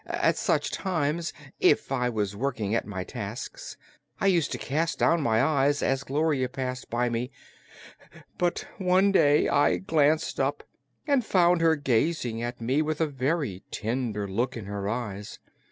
At such times, if I was working at my tasks, I used to cast down my eyes as Gloria passed me; but one day I glanced up and found her gazing at me with a very tender look in her eyes.